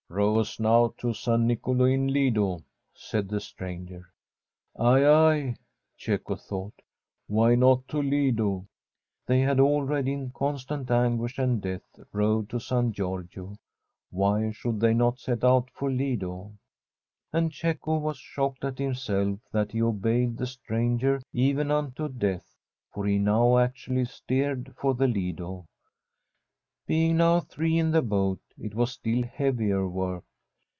' Row us now to San Nicolo in Lido,' said the stranger. ' Ay, ay,' Cecco thought ;' why not to Lido ?' They had already, in constant anguish and death, rowed to San Giorgio; why should they not set out for Lido ? And Cecco was shocked at himself that he obeyed the stranger even unto death, for he now actually steered for the Lido. Being now three in the boat, it was still heavier work.